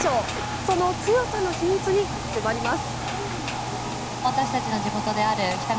その強さの秘密に迫ります。